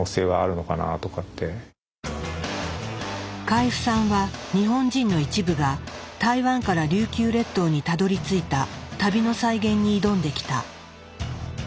海部さんは日本人の一部が台湾から琉球列島にたどりついた旅の再現に挑んできた。